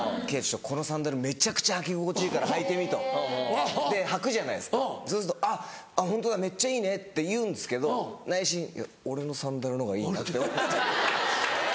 「このサンダルめちゃくちゃ履き心地いいから履いてみ」と履くじゃないですかそうすると「あっホントだめっちゃいいね」って言うんすけど内心「いや俺のサンダルの方がいいな」って思ってる。